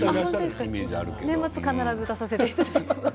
年末必ず出させていただいています。